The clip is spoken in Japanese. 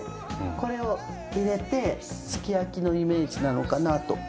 これを入れてすき焼きのイメージなのかなと。